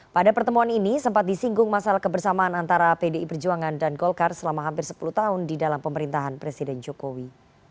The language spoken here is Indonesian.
pada pertemuan ini sempat disinggung masalah kebersamaan antara pdi perjuangan dan golkar selama hampir sepuluh tahun di dalam pemerintahan presiden jokowi